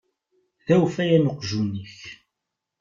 D awfayan uqjun-ik.